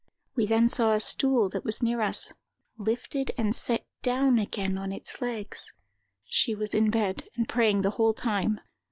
We then saw a stool, that was near us, lifted and set down again on its legs. She was in bed, and praying the whole time.